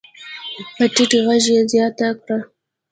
په ټيټ غږ يې زياته کړه.